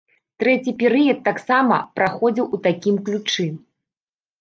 Трэці перыяд таксама праходзіў у такім ключы.